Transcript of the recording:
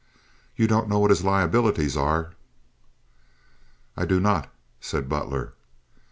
You don't know what his liabilities are?" "I do not," said Butler.